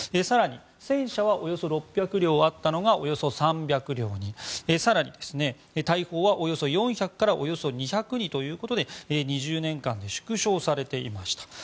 更に、戦車はおよそ６００両あったのがおよそ３００両に更に、大砲はおよそ４００からおよそ２００にということで２０年間で縮小されていました。